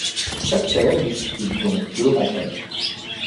Chaque paire dispute donc deux rencontres.